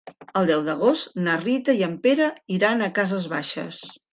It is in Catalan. El deu d'agost na Rita i en Pere iran a Cases Baixes.